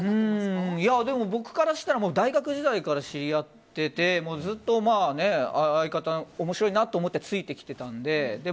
僕からしたら大学時代から知り合っててずっと相方、面白いなと思ってついてきていたので。